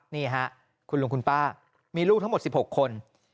นี่ฮะคุณลุงคุณป้ามีลูกทั้งหมด๑๖คน